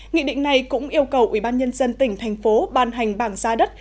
nghị định này cũng yêu cầu ủy ban nhân dân tỉnh thành phố ban hành bảng giá đất